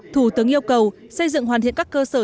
thủ tướng yêu cầu xây dựng hoàn thiện các cơ sở dữ liệu